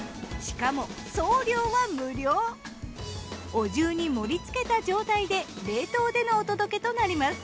お重に盛りつけた状態で冷凍でのお届けとなります。